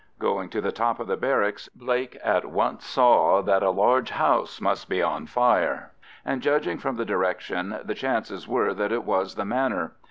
Going to the top of the barracks, Blake at once saw that a large house must be on fire, and judging from the direction the chances were that it was the Manor.